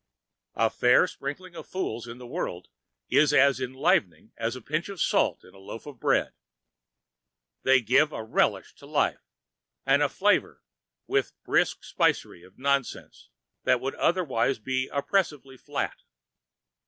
A fair sprinkling of fools in the world is as enlivening as a pinch of salt in a loaf of bread. They give a relish to life, and flavour with a brisk spicery of nonsense what would otherwise be oppressively flat.